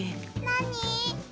なに？